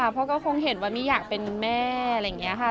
เพราะก็คงเห็นว่ามี่อยากเป็นแม่อะไรอย่างนี้ค่ะ